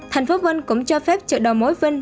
thành phố vinh cũng cho phép chợ đầu mối vinh